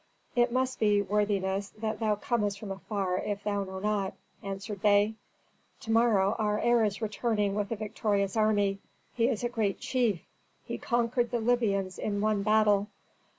"It must be, worthiness, that thou comest from afar if thou know not," answered they. "To morrow our heir is returning with a victorious army. He is a great chief! He conquered the Libyans in one battle.